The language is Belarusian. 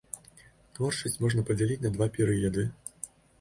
Творчасць можна падзяліць на два перыяды.